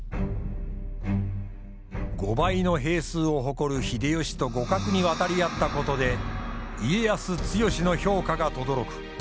５倍の兵数を誇る秀吉と互角に渡り合ったことで家康強しの評価がとどろく。